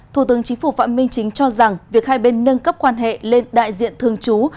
thủ tướng chính phủ phạm minh chính cho rằng việc hai bên nâng cấp quan hệ lên đại diện thường trú